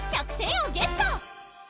１００てんをゲット！